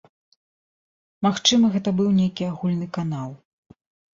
Магчыма гэта быў нейкі агульны канал.